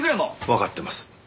わかってます。